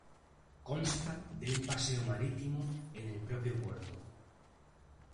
Consta de un paseo marítimo en el propio puerto.